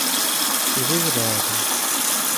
Pebezh abadenn !